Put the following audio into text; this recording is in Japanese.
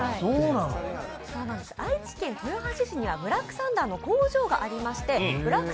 愛知県豊橋市にはブラックサンダーの工場がありましてブラック